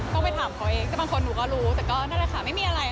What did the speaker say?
ก็ไปถามเขาเองแต่บางคนหนูก็รู้แต่แน่นอนแล้วค่ะไม่มีอะไรค่ะ